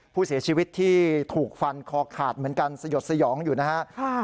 ผู้เสียชีวิตที่ถูกฟันคอขาดเหมือนกันสยดสยองอยู่นะครับ